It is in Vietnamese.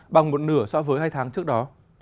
bằng một nửa so với hai tháng trước đó